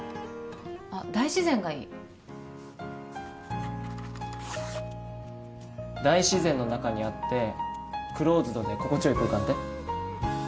あっ大自然がいい大自然の中にあってクローズドで心地よい空間って？